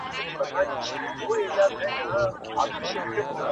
• کتاب د انسان ذهن ته سکون ورکوي او د ژوند فشارونه کموي -